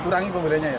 kurangi pembelianya ya